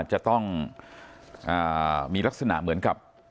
จะต้องมีลักษณะเหมือนกับ